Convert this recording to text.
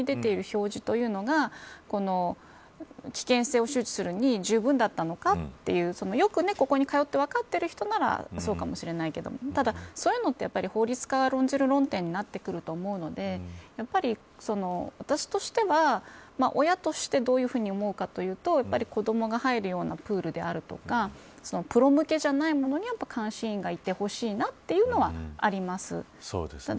今、画面に出ている表示というのが危険性を周知するのにじゅうぶんだったのかというよく、ここに通って分かってる人ならそうかもしれないけどただそういうのって、法律家が論じる論点になってくると思うのでやっぱり、私としては親としてどういうふうに思うかというと子どもが入るようなプールであるとかプロ向けじゃないものには監視員がいてほしいなというのはあります。